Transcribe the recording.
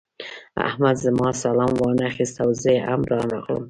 احمد زما سلام وانخيست او زه هم راغلم.